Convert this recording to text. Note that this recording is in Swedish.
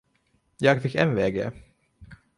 Jag fick mvg!